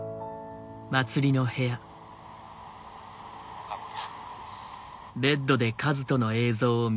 分かった。